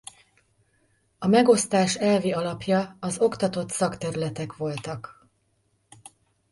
A megosztás elvi alapja az oktatott szakterületek voltak.